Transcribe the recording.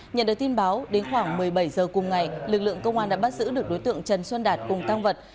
nhận được tin báo đến khoảng một mươi bảy h cùng ngày lực lượng công an đã bắt giữ được đối tượng trần xuân đạt cùng tăng vật